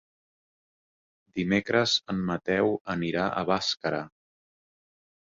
Dimecres en Mateu anirà a Bàscara.